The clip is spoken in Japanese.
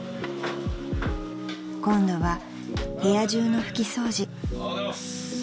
［今度は部屋じゅうの拭き掃除］